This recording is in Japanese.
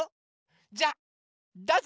じゃどうぞ。